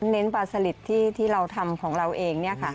เน้นปลาสลิดที่เราทำของเราเองนี่ค่ะ